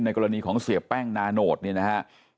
ในกรณีของเสียแป้งนานโหดเนี่ยนะฮะ